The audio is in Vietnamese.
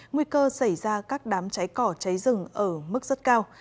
nguy cơ xảy ra các đám cháy cỏ cháy rừng ở mức rất cao